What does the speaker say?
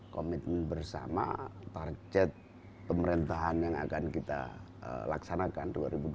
komitmen bersama target pemerintahan yang akan kita laksanakan dua ribu dua puluh